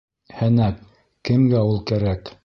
Һәнәк, кемгә ул кәрәк?